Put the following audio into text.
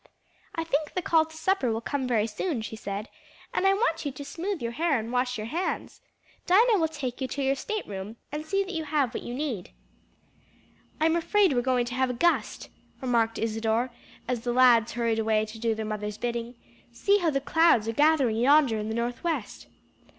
"I think the call to supper will come very soon," she said, "and I want you to smooth your hair and wash your hands. Dinah will take you to your state room and see that you have what you need." "I'm afraid we're going to have a gust," remarked Isadore as the lads hurried away to do their mother's bidding; "see how the clouds are gathering yonder in the northwest."